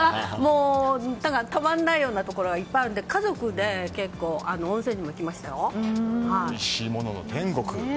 たまんないようなところがいっぱいあるので、家族で結構おいしいものの天国。